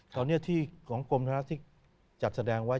ตอนนี้ที่ของกรมธนรัฐที่จัดแสดงไว้